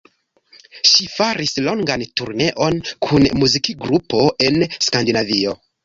Ŝi faris longan turneon kun muzikgrupo en Skandinavio.